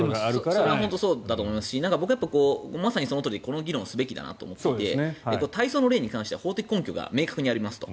それはそうだと思いますしまさにそのとおりでこの議論するべきだと思ってまして大喪の礼に関しては法的根拠が明確にありますと。